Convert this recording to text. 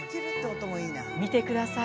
見てください。